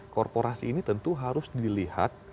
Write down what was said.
korporasi ini tentu harus dilihat